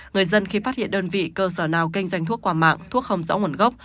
người dân khi phát hiện đơn vị cơ sở nào kinh doanh thuốc quả mạng thuốc không rõ nguồn gốc